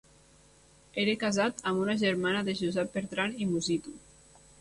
Era casat amb una germana de Josep Bertran i Musitu.